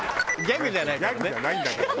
ギャグじゃないんだから。